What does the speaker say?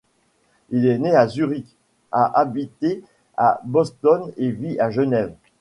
Il est né à Zurich, a habité à Boston et vit à Genève.